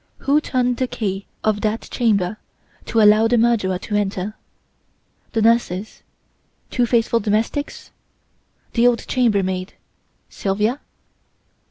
Who turned the key of that chamber to allow the murderer to enter? The nurses, two faithful domestics? The old chambermaid, Sylvia?